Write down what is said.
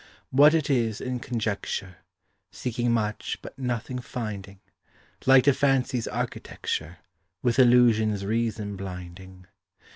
What it is, in conjecture; Seeking much, but nothing finding; Like to fancy's architecture With illusions reason blinding.